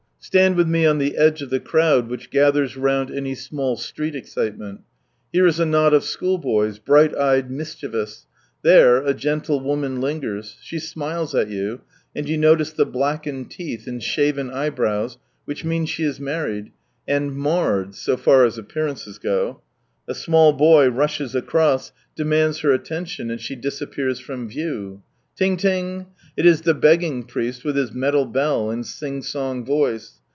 Stand with me on the edge of the crowd which gathers round any small street excite men I. Here is a knot of school boys, bright eyed, mischievous ; there a gentle woman lingers, she smiles at you, and you blackened teeth, and shaven eyebrows, which mean she is married— and marred, so far as appearances go. A small boy rushes across, demands her atten tion, and she disappears from view. " Tiiig ling!" It is the begging priest, with his metal bell, and sing song voice.